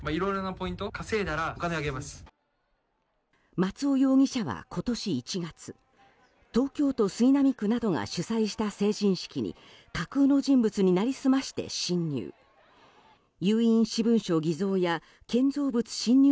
松尾容疑者は今年１月東京都杉並区が主催した成人式などに架空の人物に成り済まして侵入。